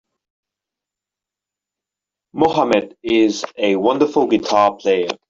Mohammed is a wonderful guitar player.